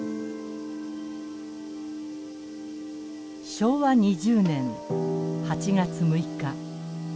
昭和２０年８月６日。